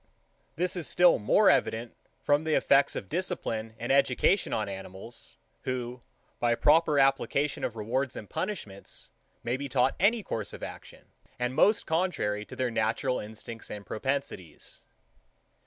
This is still more evident from the effects of discipline and education on animals, who, by the proper application of rewards and punishments, may be taught any course of action, and most contrary to their natural instincts and propensities.